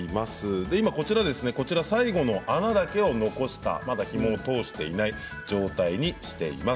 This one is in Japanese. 最後の穴だけを残したまだ、ひもを通していない状態にしています。